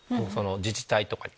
自治体とかに。